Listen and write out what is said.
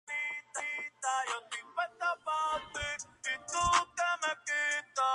Bohemundo primero quemó sus edificios en Trípoli.